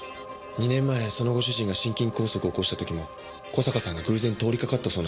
２年前そのご主人が心筋梗塞を起こした時も小坂さんが偶然通りかかったそうなんです。